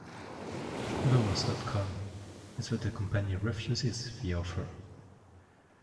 The worst outcome is that the company refuses the offer.